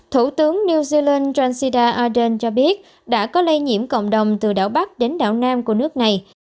thủ tướng new zealand jancida ardern cho biết đã có lây nhiễm cộng đồng từ đảo bắc đến đảo nam của nước này